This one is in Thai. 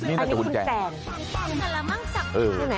นี่น่าจะคุณแจนอันนี้คุณแจน